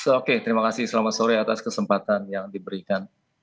oke terima kasih selamat sore atas kesempatan yang diberikan